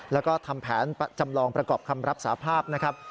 แล้วก็ทำแผนจำลองประกอบคำรับสาภาพนะครับ